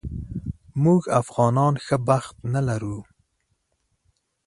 موږ افغانان ښه بخت نه لرو